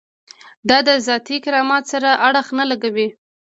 دا د ذاتي کرامت سره اړخ نه لګوي.